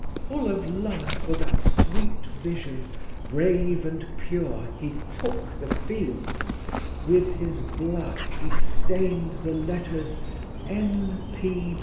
"Full of love for that sweet vision, Brave and pure he took the field; With his blood he stained the letters N.